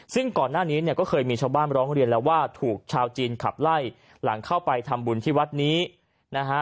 ซึ่งก่อนหน้านี้เนี่ยก็เคยมีชาวบ้านร้องเรียนแล้วว่าถูกชาวจีนขับไล่หลังเข้าไปทำบุญที่วัดนี้นะฮะ